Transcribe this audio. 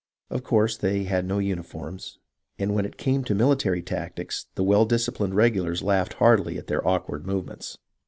Of course they had no uniforms, and when it came to military tactics the well disciplined regulars laughed heartily at their awkward movements.